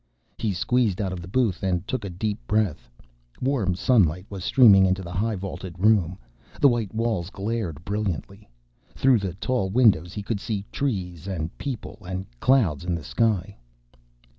He squeezed out of the booth and took a deep breath. Warm sunlight was streaming into the high vaulted room. The white walls glared brilliantly. Through the tall windows he could see trees and people and clouds in the sky.